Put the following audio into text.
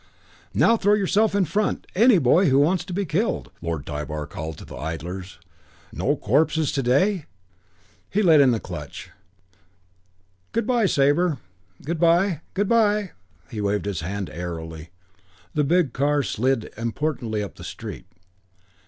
"Now throw yourself in front, any boy who wants to be killed," Lord Tybar called to the idlers. "No corpses to day?" He let in the clutch. "Good by, Sabre. Good by, good by." He waved his hand airily. The big car slid importantly up the street.